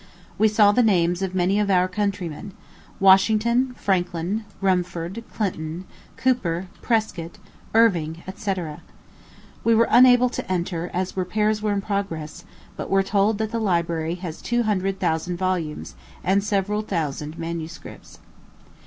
We saw the names of many of our countrymen Washington, Franklin, Rumford, Clinton, Cooper, Prescott, Irving, &c. We were unable to enter, as repairs were in progress, but were told that the library has two hundred thousand volumes, and several thousand MSS.